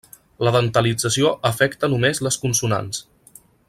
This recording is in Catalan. La dentalització afecta només les consonants.